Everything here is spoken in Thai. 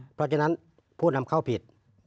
เพราะฉะนั้นผู้นำเข้าผิด